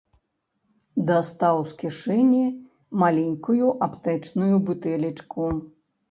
Дастаў з кішэні маленькую аптэчную бутэлечку.